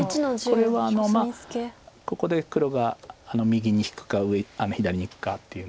これはここで黒が右に引くか左にいくかっていうのを。